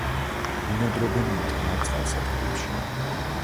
ბინადრობდნენ მტკნარ წყალსატევებში.